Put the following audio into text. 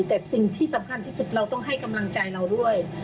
แต่สิ่งที่สำคัญที่สุดเราต้องให้กำลังใจเราด้วย